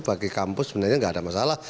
bagi kampus sebenarnya nggak ada masalah